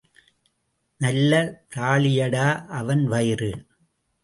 நல்ல தாழியடா அவன் வயிறு.